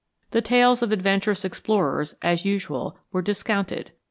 The tales of adventurous explorers, as usual, were discounted.